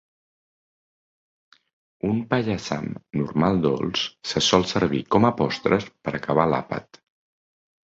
Un "Paayasam" normal dolç se sol servir com a postres per acabar l'àpat.